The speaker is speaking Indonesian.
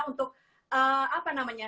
untuk apa namanya